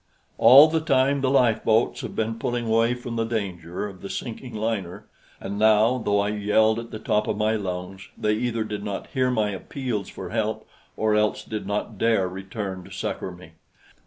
All the time the lifeboats had been pulling away from the danger of the sinking liner, and now, though I yelled at the top of my lungs, they either did not hear my appeals for help or else did not dare return to succor me.